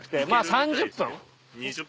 ３０分？